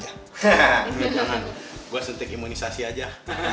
jangan gue sentik imunisasi aja